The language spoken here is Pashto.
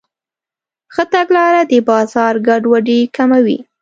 ښه تګلاره د بازار ګډوډي کموي.